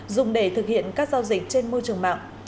dùng để thực hiện các giao dịch trên môi trường mạng